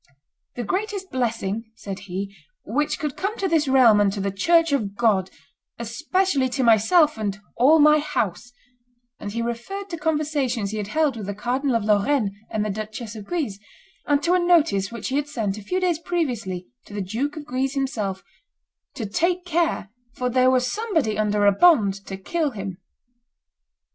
"The greatest blessing," said he, "which could come to this realm and to the church of God, especially to myself and all my house;" and he referred to conversations he had held with the Cardinal of Lorraine and the Duchess of Guise, and to a notice which he had sent, a few days previously, to the Duke of Guise himself, "to take care, for there was somebody under a bond to kill him."